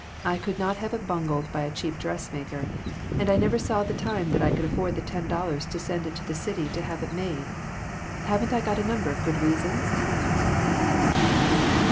I could not have it bungled by a cheap dressmaker, and I never saw the time that I could afford the ten dollars to send it to the city to have it made. Haven't I a number of good reasons